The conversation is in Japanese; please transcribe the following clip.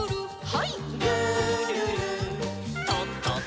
はい。